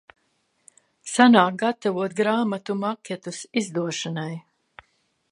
Sanāk gatavot grāmatu maketus izdošanai.